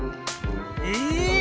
え！